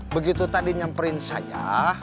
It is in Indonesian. begitu tadi nyemperin saya